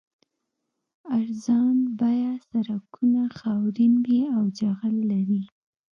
ارزان بیه سړکونه خاورین وي او جغل لري